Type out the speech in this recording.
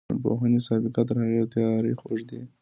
د ټولنپوهنې سابقه تر هغې تاريخ اوږده ده.